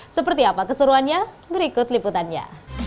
seperti apa keseruannya berikut liputannya